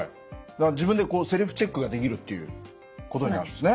自分でセルフチェックができるっていうことになるんですね？